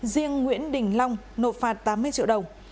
riêng nguyễn đình long nộp phạt tám mươi triệu đồng